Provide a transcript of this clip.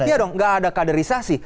enggak ada kaderisasi